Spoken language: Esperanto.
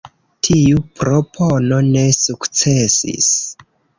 Tiu propono ne sukcesis.